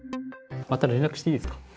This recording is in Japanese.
また連絡していいですか。